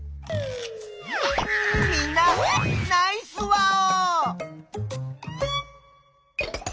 みんなナイスワオ！